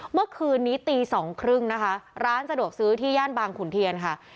เมื่อคืนนี้ตีสองครึ่งนะคะร้านสะดวกซื้อที่ย่านบางขุนเทียนค่ะ